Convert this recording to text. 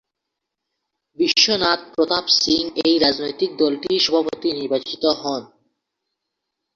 বিশ্বনাথ প্রতাপ সিং এই রাজনৈতিক দলটির সভাপতি নির্বাচিত হন।